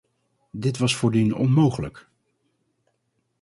Dit was voordien onmogelijk.